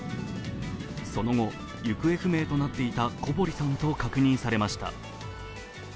その後、行方不明となっていた小堀とさんと確認されました。